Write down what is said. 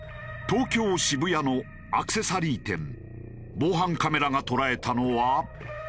防犯カメラが捉えたのは。